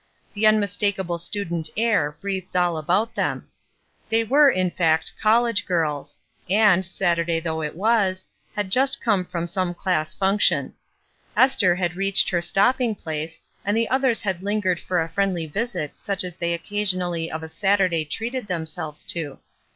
The unmistakable student air breathed all about them. They were, in fact, college prls; and, Satiirday though it was, had just come from some class fimction. Esther had readied her stopping place, and the others had lingered for a friendly visit such as they occasionally of a Saturday treated themselves to.